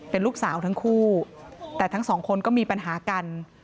เป็นลูกสาวทั้งคู่แต่ทั้งสองคนก็มีปัญหากัน